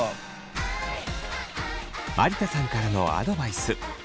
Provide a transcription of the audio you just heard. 有田さんからのアドバイス。